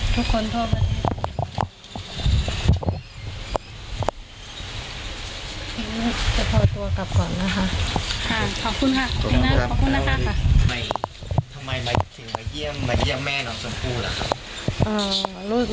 ทำไมมาเยี่ยมแม่น้องสมภูล่ะครับ